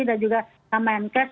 dan juga kemenkes